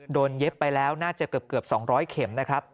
เย็บไปแล้วน่าจะเกือบ๒๐๐เข็มนะครับ